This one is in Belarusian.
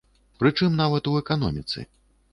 Прычым нават у эканоміцы.